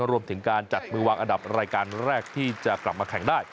รวมถึงการจัดมือวางอันดับรายการแรกที่จะกลับมาแข่งได้